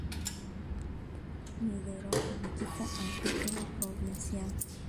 Lideró al equipo al título provincial.